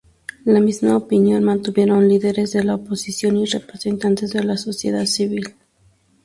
La misma opinión mantuvieron líderes de la oposición y representantes de la sociedad civil.